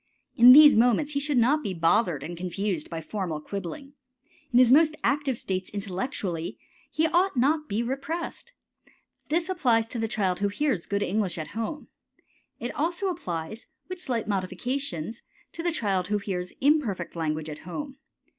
In these moments he should not be bothered and confused by formal quibbling. In his most active states intellectually he ought not to be repressed. This applies to the child who hears good English at home. It also applies, with slight modifications, to the child who hears imperfect language at home.